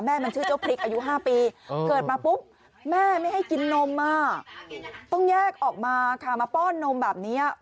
มันชื่อเจ้าพริกอายุ๕ปีเกิดมาปุ๊บแม่ไม่ให้กินนมอ่ะต้องแยกออกมาค่ะมาป้อนนมแบบนี้